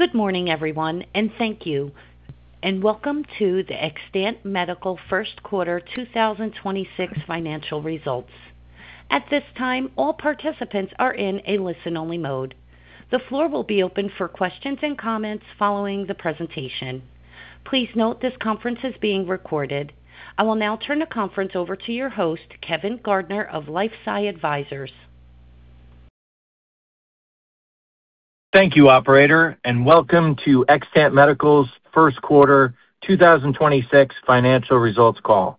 Good morning everyone, and thank you and welcome to the Xtant Medical First Quarter 2026 financial results. At this time all participants are in a listen only mode the floor will be open for questions and comments following the presentation. Please note, this conference is being recorded. I will now turn the conference over to your host, Kevin Gardner of LifeSci Advisors. Thank you, operator, and welcome to Xtant Medical's first quarter 2026 financial results call.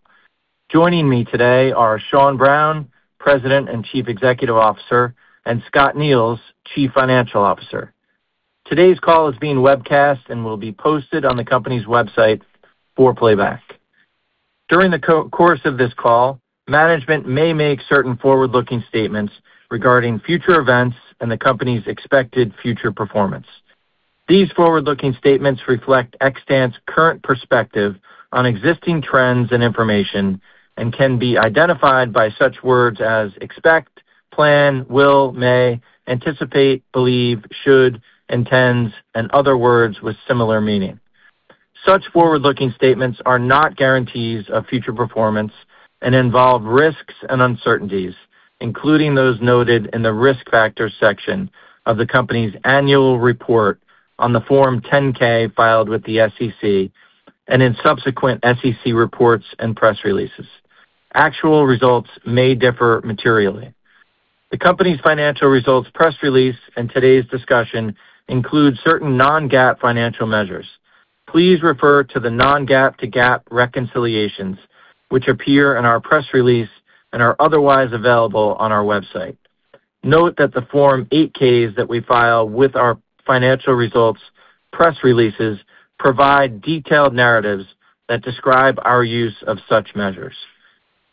Joining me today are Sean Browne, President and Chief Executive Officer, and Scott Neils, Chief Financial Officer. Today's call is being webcast and will be posted on the company's website for playback. During the course of this call, management may make certain forward-looking statements regarding future events and the company's expected future performance. These forward-looking statements reflect Xtant's current perspective on existing trends and information and can be identified by such words as expect, plan, will, may, anticipate, believe, should, intends, and other words with similar meaning. Such forward-looking statements are not guarantees of future performance and involve risks and uncertainties, including those noted in the Risk Factors section of the company's annual report on the Form 10-K filed with the SEC and in subsequent SEC reports and press releases. Actual results may differ materially. The company's financial results press release and today's discussion include certain non-GAAP financial measures. Please refer to the non-GAAP to GAAP reconciliations, which appear in our press release and are otherwise available on our website. Note that the Form 8-K that we file with our financial results press releases provide detailed narratives that describe our use of such measures.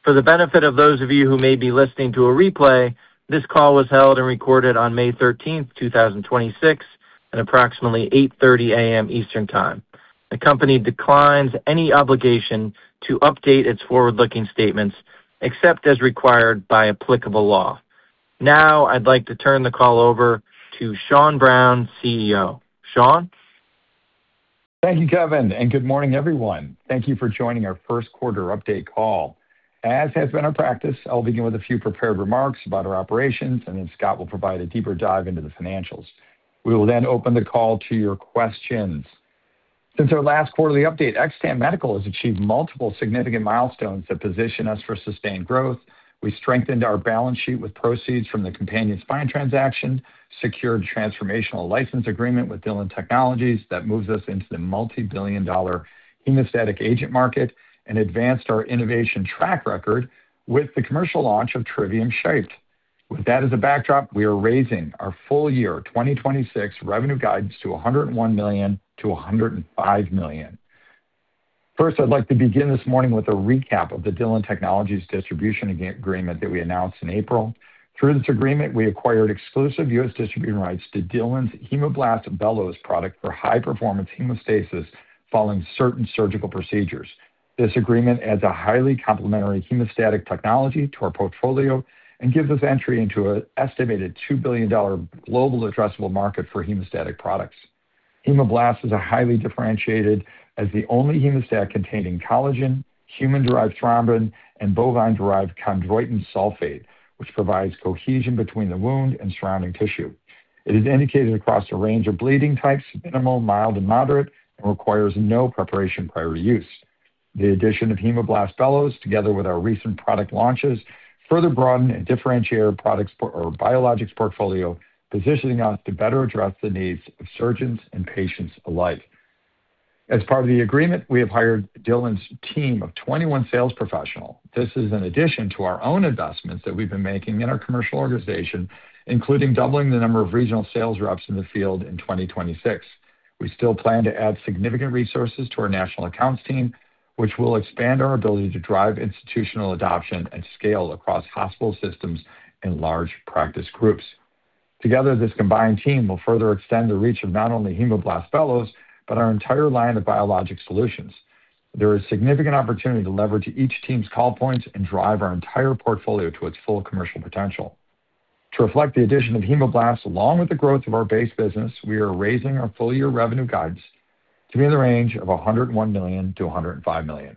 For the benefit of those of you who may be listening to a replay, this call was held and recorded on May 13, 2026 at approximately 8:30 A.M. Eastern Time. The company declines any obligation to update its forward-looking statements except as required by applicable law. Now I'd like to turn the call over to Sean Browne, CEO. Sean? Thank you, Kevin, and good morning, everyone. Thank you for joining our first quarter update call. As has been our practice, I will begin with a few prepared remarks about our operations, and then Scott will provide a deeper dive into the financials. We will then open the call to your questions. Since our last quarterly update, Xtant Medical has achieved multiple significant milestones that position us for sustained growth. We strengthened our balance sheet with proceeds from the Companion Spine transaction, secured transformational license agreement with Dilon Technologies that moves us into the multibillion-dollar hemostatic agent market, and advanced our innovation track record with the commercial launch of Trivium Shaped. With that as a backdrop, we are raising our full year 2026 revenue guidance to $101 million-$105 million. First, I'd like to begin this morning with a recap of the Dilon Technologies distribution agreement that we announced in April. Through this agreement, we acquired exclusive U.S. distribution rights to Dilon's HEMOBLAST Bellows product for high-performance hemostasis following certain surgical procedures. This agreement adds a highly complementary hemostatic technology to our portfolio and gives us entry into an estimated $2 billion global addressable market for hemostatic products. HEMOBLAST is highly differentiated as the only hemostat containing collagen, human-derived thrombin, and bovine-derived chondroitin sulfate, which provides cohesion between the wound and surrounding tissue. It is indicated across a range of bleeding types, minimal, mild, and moderate, and requires no preparation prior use. The addition of HEMOBLAST Bellows, together with our recent product launches, further broaden and differentiate our biologics portfolio, positioning us to better address the needs of surgeons and patients alike. As part of the agreement, we have hired Dilon's team of 21 sales professional. This is in addition to our own investments that we've been making in our commercial organization, including doubling the number of regional sales reps in the field in 2026. We still plan to add significant resources to our national accounts team, which will expand our ability to drive institutional adoption and scale across hospital systems and large practice groups. Together, this combined team will further extend the reach of not only HEMOBLAST Bellows, but our entire line of biologic solutions. There is significant opportunity to leverage each team's call points and drive our entire portfolio to its full commercial potential. To reflect the addition of HEMOBLAST, along with the growth of our base business, we are raising our full-year revenue guidance to be in the range of $101 million-$105 million.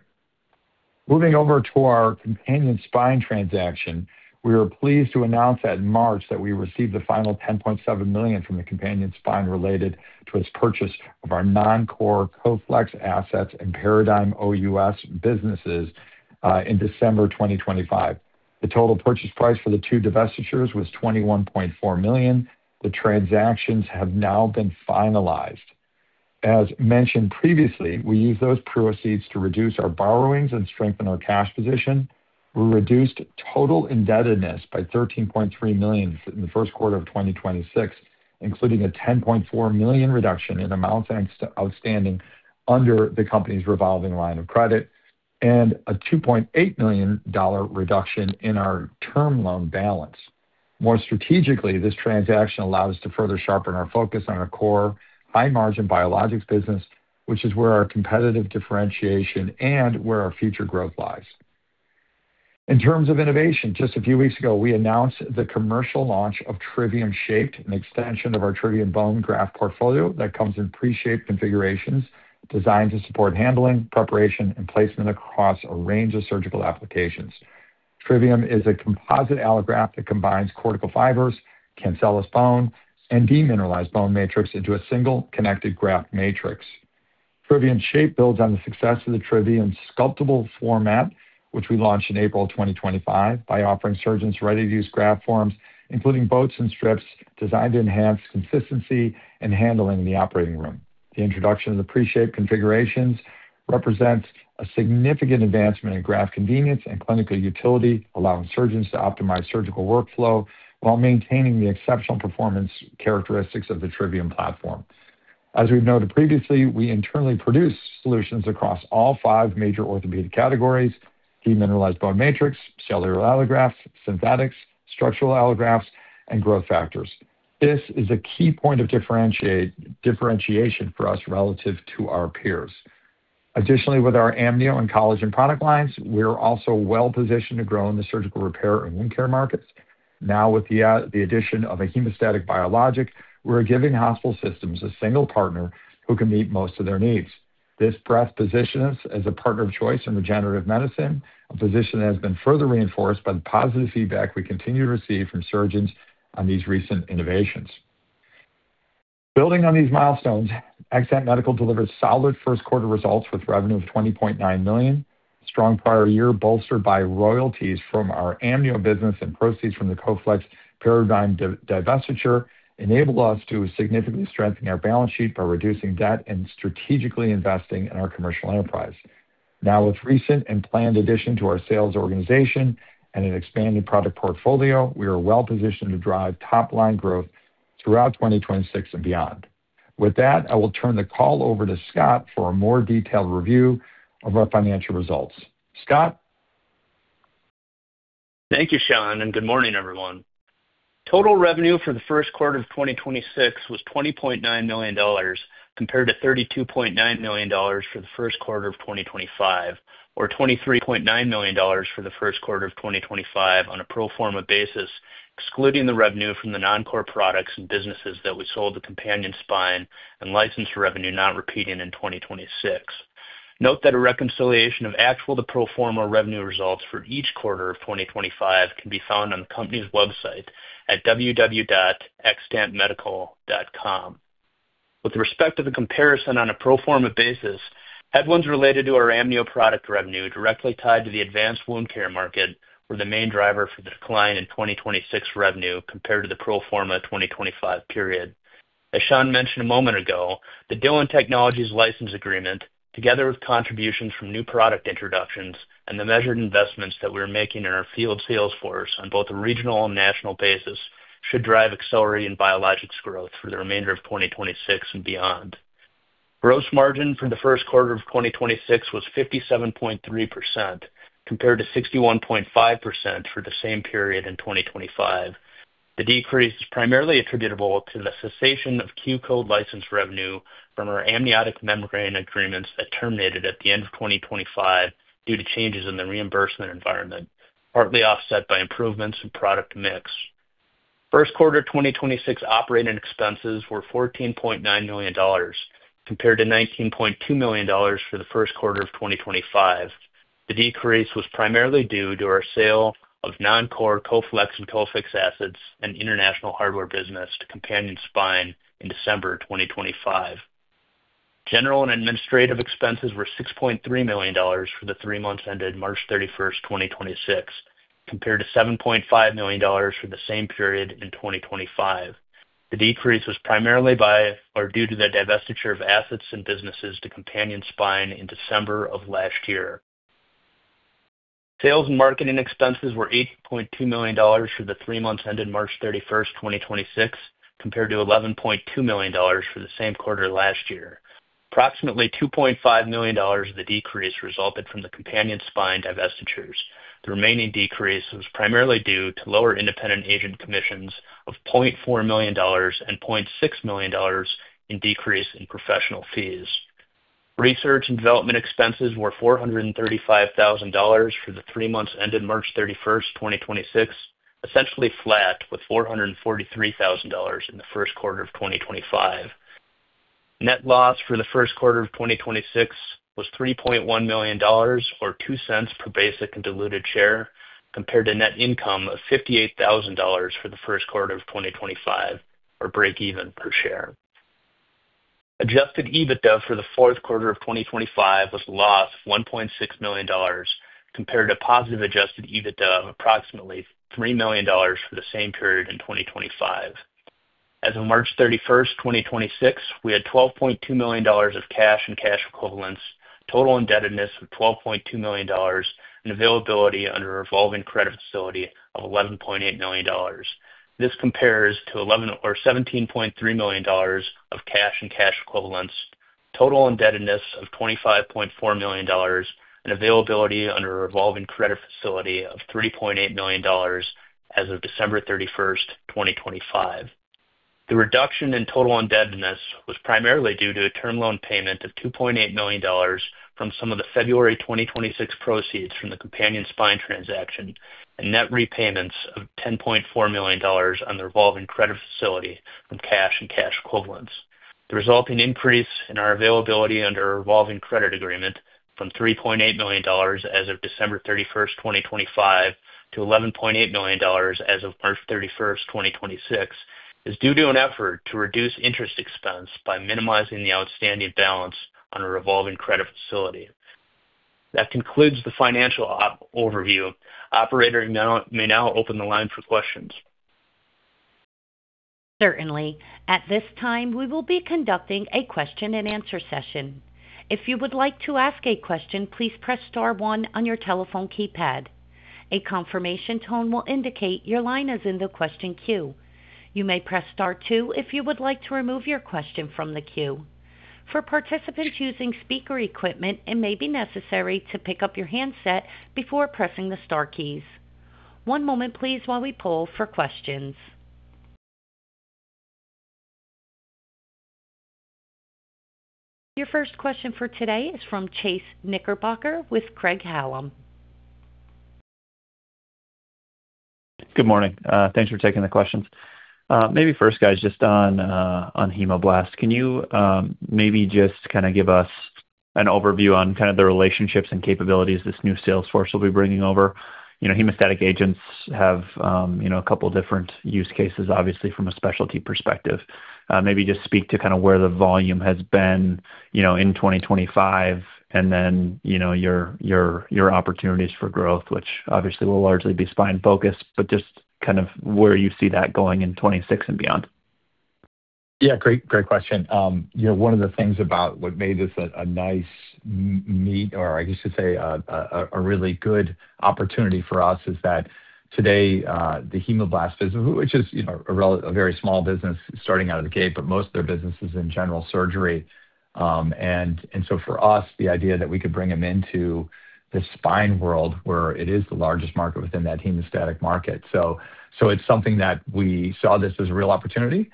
Moving over to our Companion Spine transaction, we were pleased to announce that in March that we received the final $10.7 million from the Companion Spine related to its purchase of our non-core Coflex assets and Paradigm OUS businesses in December 2025. The total purchase price for the two divestitures was $21.4 million. The transactions have now been finalized. As mentioned previously, we used those proceeds to reduce our borrowings and strengthen our cash position. We reduced total indebtedness by $13.3 million in the first quarter of 2026, including a $10.4 million reduction in amounts outstanding under the company's revolving line of credit and a $2.8 million dollar reduction in our term loan balance. More strategically, this transaction allows us to further sharpen our focus on our core high-margin biologics business, which is where our competitive differentiation and where our future growth lies. In terms of innovation, just a few weeks ago, we announced the commercial launch of Trivium Shaped, an extension of our Trivium Bone Graft portfolio that comes in pre-shaped configurations designed to support handling, preparation, and placement across a range of surgical applications. Trivium is a composite allograft that combines cortical fibers, cancellous bone, and demineralized bone matrix into a single connected graft matrix. Trivium Shaped builds on the success of the Trivium sculptable format, which we launched in April 2025, by offering surgeons ready-to-use graft forms, including blocks and strips designed to enhance consistency and handling in the operating room. The introduction of the pre-shaped configurations represents a significant advancement in graft convenience and clinical utility, allowing surgeons to optimize surgical workflow while maintaining the exceptional performance characteristics of the Trivium platform. As we've noted previously, we internally produce solutions across all five major orthopedic categories: demineralized bone matrix, cellular allograft, synthetics, structural allografts, and growth factors. This is a key point of differentiation for us relative to our peers. Additionally, with our amnio and collagen product lines, we're also well-positioned to grow in the surgical repair and wound care markets. Now, with the addition of a hemostatic biologic, we're giving hospital systems a single partner who can meet most of their needs. This breadth positions us as a partner of choice in regenerative medicine, a position that has been further reinforced by the positive feedback we continue to receive from surgeons on these recent innovations. Building on these milestones, Xtant Medical delivered solid first quarter results with revenue of $20.9 million. Strong prior year, bolstered by royalties from our amnio business and proceeds from the Coflex Paradigm Spine divestiture, enabled us to significantly strengthen our balance sheet by reducing debt and strategically investing in our commercial enterprise. Now, with recent and planned addition to our sales organization and an expanded product portfolio, we are well-positioned to drive top-line growth throughout 2026 and beyond. With that, I will turn the call over to Scott Neils for a more detailed review of our financial results. Scott? Thank you, Sean, and good morning, everyone. Total revenue for the first quarter of 2026 was $20.9 million, compared to $32.9 million for the first quarter of 2025, or $23.9 million for the first quarter of 2025 on a pro forma basis, excluding the revenue from the non-core products and businesses that we sold to Companion Spine and license revenue not repeating in 2026. Note that a reconciliation of actual to pro forma revenue results for each quarter of 2025 can be found on the company's website at www.xtantmedical.com. With respect to the comparison on a pro forma basis, headwinds related to our amnio product revenue directly tied to the advanced wound care market were the main driver for the decline in 2026 revenue compared to the pro forma 2025 period. As Sean mentioned a moment ago, the Dilon Technologies license agreement, together with contributions from new product introductions and the measured investments that we're making in our field sales force on both a regional and national basis, should drive accelerated biologics growth for the remainder of 2026 and beyond. Gross margin for the first quarter of 2026 was 57.3%, compared to 61.5% for the same period in 2025. The decrease is primarily attributable to the cessation of Q-code license revenue from our amniotic membrane agreements that terminated at the end of 2025 due to changes in the reimbursement environment, partly offset by improvements in product mix. First quarter 2026 operating expenses were $14.9 million, compared to $19.2 million for the first quarter of 2025. The decrease was primarily due to our sale of non-core Coflex and CoFix assets and international hardware business to Companion Spine in December 2025. General and administrative expenses were $6.3 million for the three months ended March 31st, 2026, compared to $7.5 million for the same period in 2025. The decrease was primarily due to the divestiture of assets and businesses to Companion Spine in December of last year. Sales and marketing expenses were $8.2 million for the three months ended March 31st, 2026, compared to $11.2 million for the same quarter last year. Approximately $2.5 million of the decrease resulted from the Companion Spine divestitures. The remaining decrease was primarily due to lower independent agent commissions of $0.4 million and $0.6 million in decrease in professional fees. Research and development expenses were $435,000 for the three months ended March 31, 2026, essentially flat with $443,000 in the first quarter of 2025. Net loss for the first quarter of 2026 was $3.1 million, or $0.02 per basic and diluted share, compared to net income of $58,000 for the first quarter of 2025, or break even per share. Adjusted EBITDA for the fourth quarter of 2025 was a loss of $1.6 million, compared to positive adjusted EBITDA of approximately $3 million for the same period in 2025. As of March 31, 2026, we had $12.2 million of cash and cash equivalents, total indebtedness of $12.2 million, and availability under a revolving credit facility of $11.8 million. This compares to $17.3 million of cash and cash equivalents, total indebtedness of $25.4 million, and availability under a revolving credit facility of $3.8 million as of December 31, 2025. The reduction in total indebtedness was primarily due to a term loan payment of $2.8 million from some of the February 2026 proceeds from the Companion Spine transaction and net repayments of $10.4 million on the revolving credit facility from cash and cash equivalents. The resulting increase in our availability under our revolving credit agreement from $3.8 million as of December 31, 2025, to $11.8 million as of March 31, 2026, is due to an effort to reduce interest expense by minimizing the outstanding balance on a revolving credit facility. That concludes the financial overview. Operator, may now open the line for questions. Certainly. At this time we will be conducting a question-and-answer session. If you would like to ask a question please press star one on your telephone keypad. A confirmation tone will indicate your line is in the question queue. You may press star two if you would like to remove your question from the queue. For participants using speaker equipment, it maybe necessary to pick up your handset before pressing the star keys. One moment please while we poll for question. Your first question for today is from Chase Knickerbocker with Craig-Hallum. Good morning. Thanks for taking the questions. Maybe first, guys, just on HEMOBLAST. Can you, maybe just kind of give us an overview on kind of the relationships and capabilities this new sales force will be bringing over? You know, hemostatic agents have, you know, a couple different use cases, obviously from a specialty perspective. Maybe just speak to kind of where the volume has been, you know, in 2025 and then, you know, your opportunities for growth, which obviously will largely be spine focused, but just kind of where you see that going in 2060 and beyond. Yeah, great question. You know, one of the things about what made this a nice or I should say a really good opportunity for us is that today, the HEMOBLAST business, which is, you know, a very small business starting out of the gate, but most of their business is in general surgery. For us, the idea that we could bring them into the spine world, where it is the largest market within that hemostatic market. It's something that we saw this as a real opportunity.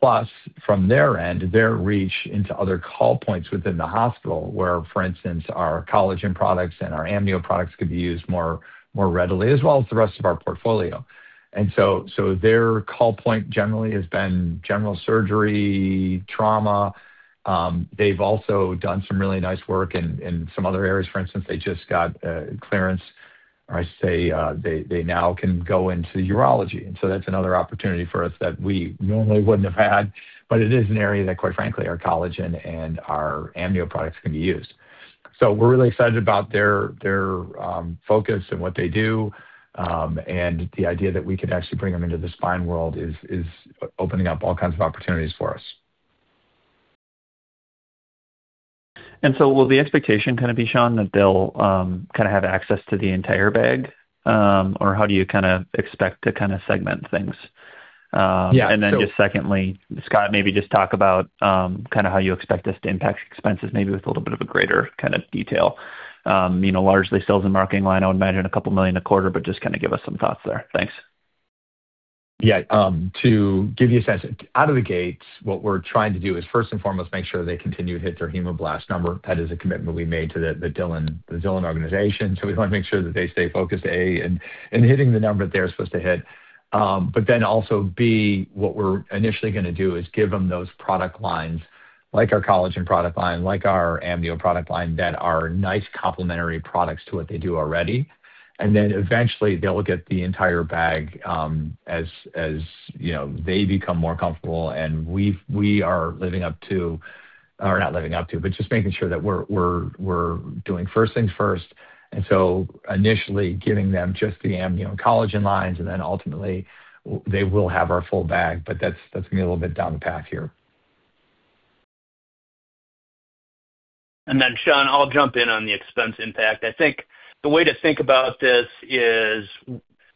Plus from their end, their reach into other call points within the hospital where, for instance, our collagen products and our amnio products could be used more readily as well as the rest of our portfolio. Their call point generally has been general surgery, trauma. They've also done some really nice work in some other areas. For instance, they just got clearance, or I should say, they now can go into urology. That's another opportunity for us that we normally wouldn't have had. It is an area that, quite frankly, our collagen and our amnio products can be used. We're really excited about their focus and what they do, and the idea that we could actually bring them into the spine world is opening up all kinds of opportunities for us. Will the expectation kind of be, Sean, that they'll kind of have access to the entire bag? How do you kind of expect to kind of segment things? Yeah. Just secondly, Scott, maybe just talk about, kind of how you expect this to impact expenses, maybe with a little bit of a greater kind of detail. You know, largely sales and marketing line, I would imagine a couple million a quarter, but just kind of give us some thoughts there. Thanks. Yeah. To give you a sense, out of the gate, what we're trying to do is, first and foremost, make sure they continue to hit their HEMOBLAST number. That is a commitment we made to the Dilon organization. We want to make sure that they stay focused, A, in hitting the number they're supposed to hit. Also, B, what we're initially gonna do is give them those product lines, like our collagen product line, like our amnio product line, that are nice complementary products to what they do already. Eventually they'll get the entire bag, as, you know, they become more comfortable and we are living up to, or not living up to, but just making sure that we're doing first things first. Initially giving them just the amnio and collagen lines, then ultimately they will have our full bag. That's gonna be a little bit down the path here. Sean, I'll jump in on the expense impact. I think the way to think about this is,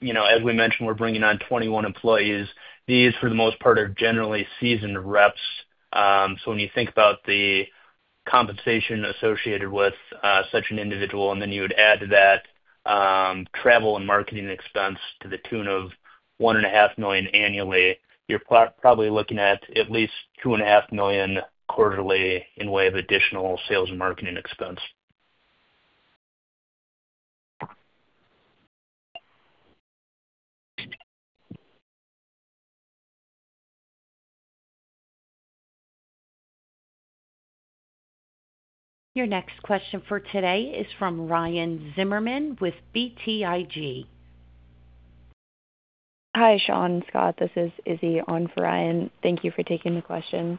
you know, as we mentioned, we're bringing on 21 employees. These, for the most part, are generally seasoned reps. When you think about the compensation associated with such an individual, then you would add to that travel and marketing expense to the tune of $1.5 million annually, you're probably looking at at least $2.5 million quarterly in way of additional sales and marketing expense. Your next question for today is from Ryan Zimmerman with BTIG. Hi, Sean, Scott. This is Izzy on for Ryan. Thank you for taking the question.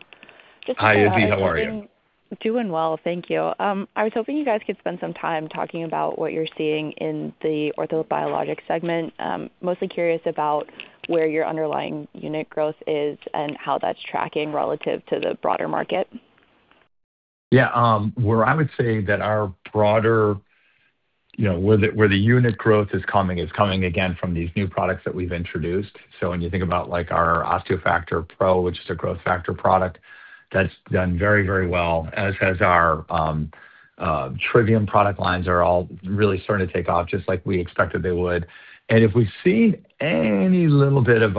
Hi, Izzy. How are you? Doing well. Thank you. I was hoping you guys could spend some time talking about what you're seeing in the orthobiologic segment. Mostly curious about where your underlying unit growth is and how that's tracking relative to the broader market. Yeah. Where I would say that our broader, you know, where the unit growth is coming again from these new products that we've introduced. When you think about, like, our OsteoFactor Pro, which is a growth factor product, that's done very, very well. As has our Trivium product lines are all really starting to take off just like we expected they would. If we've seen any little bit of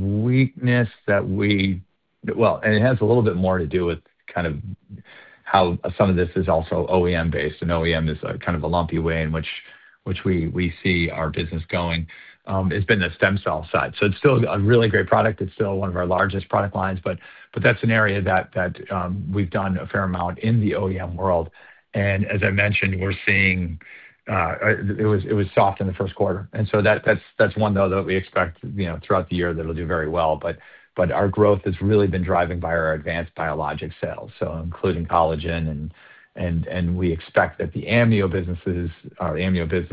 weakness, it has a little bit more to do with kind of how some of this is also OEM-based, and OEM is a kind of a lumpy way in which we see our business going. It's been the stem cell side. It's still a really great product. It's still one of our largest product lines, but that's an area that we've done a fair amount in the OEM world. As I mentioned, we're seeing. It was soft in the first quarter. That's one, though, that we expect, you know, throughout the year that'll do very well. Our growth has really been driving by our advanced biologic sales, so including collagen and we expect that the amnio business,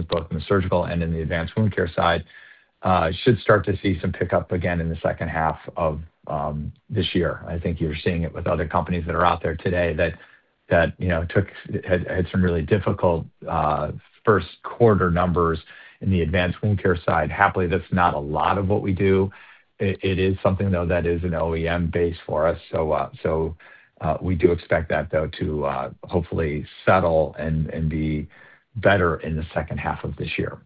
both in the surgical and in the advanced wound care side, should start to see some pickup again in the second half of this year. I think you're seeing it with other companies that are out there today that, you know, had some really difficult first quarter numbers in the advanced wound care side. Happily, that's not a lot of what we do. It is something, though, that is an OEM base for us, so we do expect that, though, to hopefully settle and be better in the second half of this year.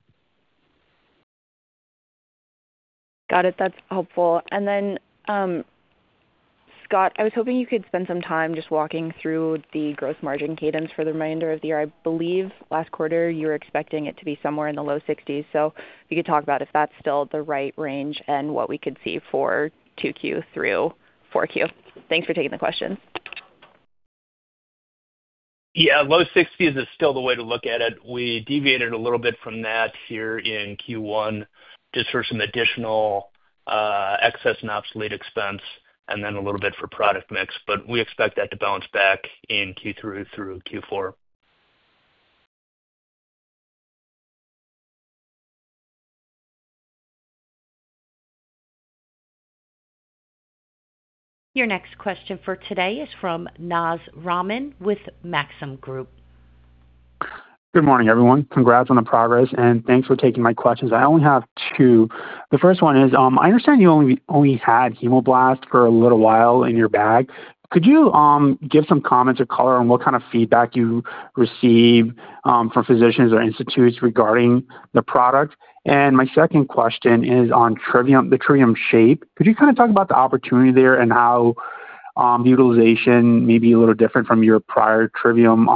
Got it. That's helpful. Scott, I was hoping you could spend some time just walking through the gross margin cadence for the remainder of the year. I believe last quarter you were expecting it to be somewhere in the low 60s%. If you could talk about if that's still the right range and what we could see for 2Q through 4Q. Thanks for taking the question. Yeah. Low 60s% is still the way to look at it. We deviated a little bit from that here in Q1 just for some additional, excess and obsolete expense and then a little bit for product mix. We expect that to bounce back in Q3 through Q4. Your next question for today is from Naz Rahman with Maxim Group. Good morning, everyone. Congrats on the progress, and thanks for taking my questions. I only have two. The first one is, I understand you only had HEMOBLAST for a little while in your bag. Could you give some comments or color on what kind of feedback you receive from physicians or institutes regarding the product? My second question is on Trivium, the Trivium Shaped. Could you kind of talk about the opportunity there and how the utilization may be a little different from your prior Trivium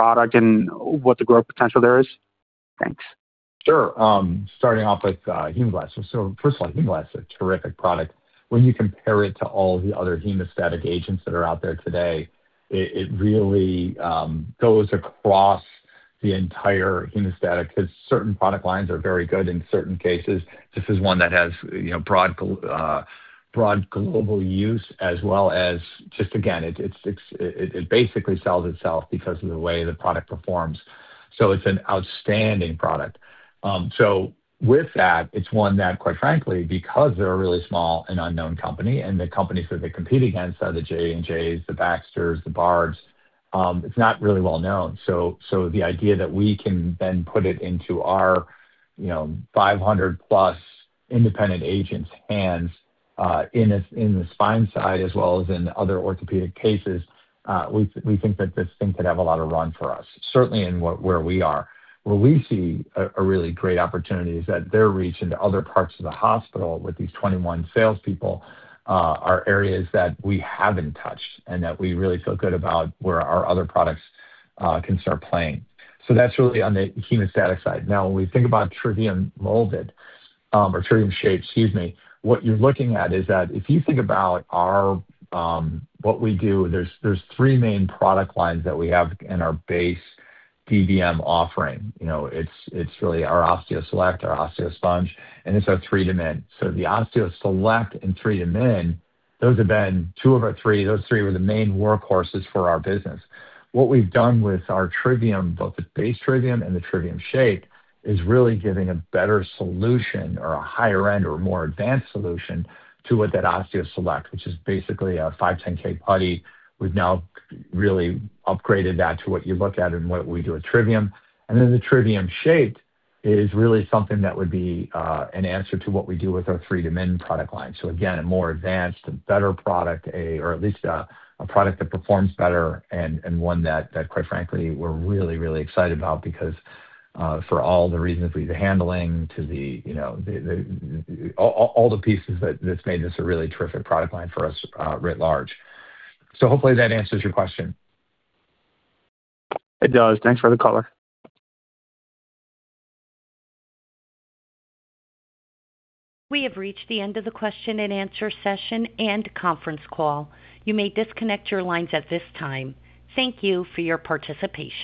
product and what the growth potential there is? Thanks. Sure. Starting off with HEMOBLAST. First of all, HEMOBLAST is a terrific product. When you compare it to all the other hemostatic agents that are out there today, it really goes across the entire. Certain product lines are very good in certain cases. This is one that has, you know, broad global use. Just again, it basically sells itself because of the way the product performs, so it's an outstanding product. With that, it's one that, quite frankly, because they're a really small and unknown company, and the companies that they compete against are the J&Js, the Baxter, the Bard, it's not really well known. The idea that we can then put it into our, you know, 500+ independent agents' hands, in the spine side as well as in other orthopedic cases, we think that this thing could have a lot of run for us, certainly in where we are. Where we see a really great opportunity is that their reach into other parts of the hospital with these 21 salespeople, are areas that we haven't touched and that we really feel good about where our other products can start playing. That's really on the hemostatic side. When we think about Trivium Molded, or Trivium Shaped, excuse me, what you're looking at is that if you think about our what we do, there's three main product lines that we have in our base DBM offering. You know, it's really our OsteoSelect, our OsteoSponge, and it's our Trivium. The OsteoSelect and Trivium, those have been two of our three. Those three were the main workhorses for our business. What we've done with our Trivium, both the base Trivium and the Trivium Shaped, is really giving a better solution or a higher end or a more advanced solution to what that OsteoSelect, which is basically a 510(k) putty. We've now really upgraded that to what you look at and what we do with Trivium. Then the Trivium Shaped is really something that would be an answer to what we do with our Trivium product line. Again, a more advanced, a better product, or at least a product that performs better and one that, quite frankly, we're really excited about because for all the reasons, the handling to the, you know, all the pieces that's made this a really terrific product line for us, writ large. Hopefully that answers your question. It does. Thanks for the color. We have reached the end of the question and answer session and conference call. You may disconnect your lines at this time. Thank you for your participation.